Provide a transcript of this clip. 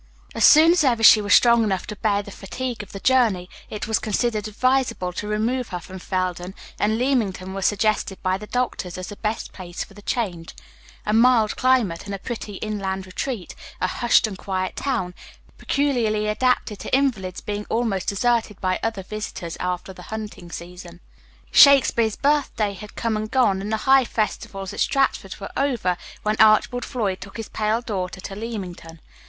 As soon as ever she was strong enough to bear the fatigue of the journey, it was considered advisable to remove her from Felden, and Leamington was suggested by the doctors as the best place for the change a mild climate and a pretty inland retreat, a hushed and quiet town, peculiarly adapted to invalids, being almost deserted by other visitors after the hunting season. Shakespeare's birthday had come and gone, and the high festivals at Stratford were over, when Archibald Floyd took his pale daughter to Leamington.